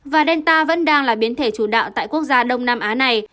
và delta vẫn đang là biến thể chủ đạo tại quốc gia đông nam á này